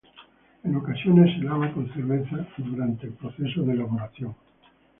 En ocasiones se lava con cerveza durante el proceso de elaboración.